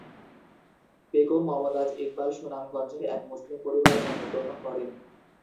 বেগম মমতাজ ইকবাল সুনামগঞ্জের এক মুসলিম পরিবারে জন্মগ্রহণ করেন।